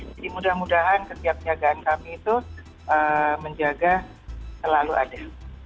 jadi mudah mudahan kejagaan kami itu menjaga selalu ada